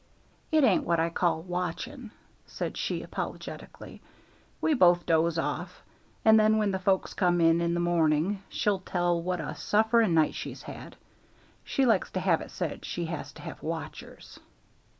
"It ain't what I call watching," said she, apologetically. "We both doze off, and then when the folks come in in the morning she'll tell what a sufferin' night she's had. She likes to have it said she has to have watchers."